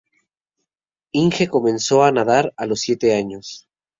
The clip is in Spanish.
Inge comenzó a nadar a los siete años.